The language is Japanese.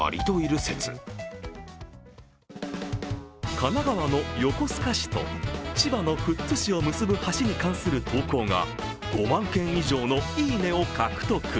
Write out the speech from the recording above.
神奈川の横須賀市と千葉の富津市を結ぶ橋に関する投稿が５万件以上のいいねを獲得。